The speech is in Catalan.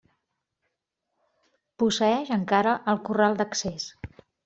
Posseeix encara el corral d'accés.